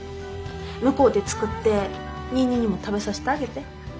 向こうで作ってニーニーにも食べさせてあげて。